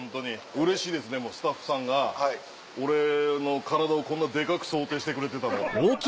うれしいですでもスタッフさんが俺の体をこんなデカく想定してくれてたんだって。